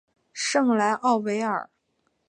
圣莱奥纳尔。